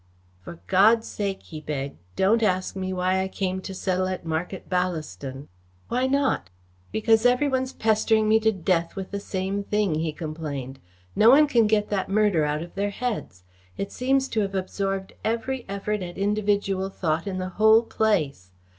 "For God's sake," he begged, "don't ask me why I came to settle at Market Ballaston." "Why not?" "Because every one's pestering me to death with the same thing," he complained. "No one can get that murder out of their heads. It seems to have absorbed every effort at individual thought in the whole place.